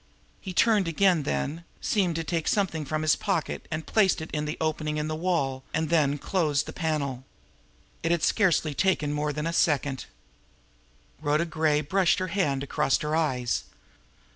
He turned again then, seemed to take something from his pocket and place it in the opening in the wall, and then the panel closed. It had taken scarcely more than a second. Rhoda Gray brushed her hand across her eyes.